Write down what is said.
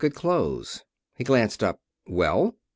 Good clothes.'" He glanced up. "Well?"